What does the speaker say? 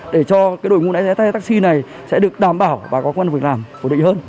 để cho đội ngũ lái xe taxi này sẽ được đảm bảo và có quân việc làm phổ định hơn